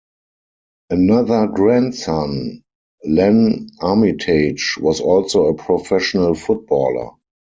Another grandson, Len Armitage, was also a professional footballer.